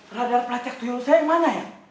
radar pelacak tuyul saya yang mana ya